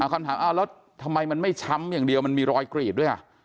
คำถามแล้วทำไมมันไม่ช้ำอย่างเดียวมันมีรอยกรีดด้วย